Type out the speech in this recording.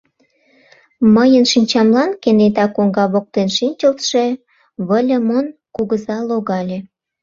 Мыйын шинчамлан кенета коҥга воктен шинчылтше Выльымон кугыза логале.